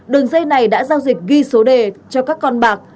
đường dây này đã giao dịch ghi số đề cho các con bạc